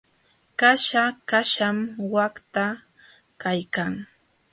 Kaśha kaśham waqta kaykan.